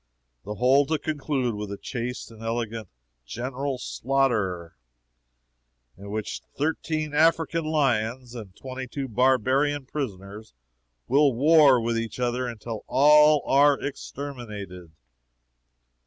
The whole to conclude with a chaste and elegant GENERAL SLAUGHTER! In which thirteen African Lions and twenty two Barbarian Prisoners will war with each other until all are exterminated.